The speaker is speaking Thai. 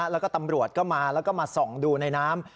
แล้วก็ตำรวจก็มาแล้วก็มาส่องดูในน้ำ